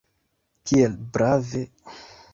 Kiel brave!